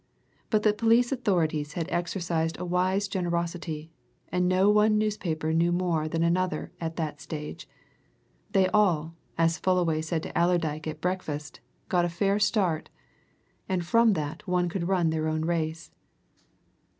But the police authorities had exercised a wise generosity, and no one newspaper knew more than another at that stage they all, as Fullaway said to Allerdyke at breakfast, got a fair start, and from that one could run their own race.